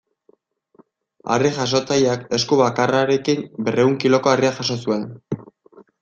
Harri-jasotzaileak, esku bakarrarekin berrehun kiloko harria jaso zuen.